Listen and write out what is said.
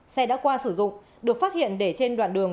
xe đã qua sử dụng được phát hiện để trên đoạn đường